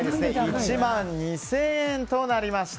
１万２０００円となりました。